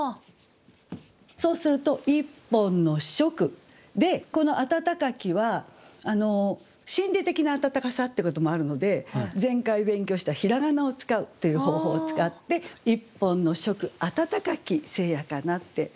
そうすると「一本の燭」でこの「温かき」は心理的な温かさってこともあるので前回勉強した平仮名を使うという方法を使って「一本の燭あたたかき聖夜かな」って。